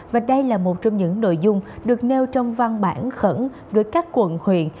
và đây là một trong những nội dung được nêu trong văn bản khẩn gửi các quận huyện